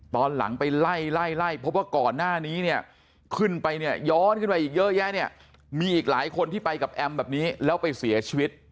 ตอนหลังไปไล่ไล่พบว่าก่อนหน้านี้เนี่ยขึ้นไปเนี่ยย้อนขึ้นไปอีกเยอะแยะเนี่ยมีอีกหลายคนที่ไปกับแอมแบบนี้แล้วไปเสียชีวิต